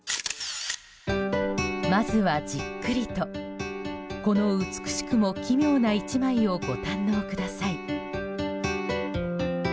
まずは、じっくりとこの美しくも奇妙な１枚をご堪能ください。